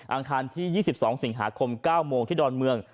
อังคารที่๒๒สิงหาคม๙โมงที่ดอนเมือง